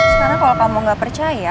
sekarang kalau kamu nggak percaya